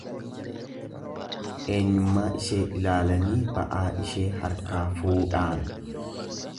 Eenyummaa ishee ilaalanii ba'aa ishee harkaa fuudhaan.